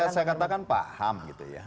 saya katakan paham gitu ya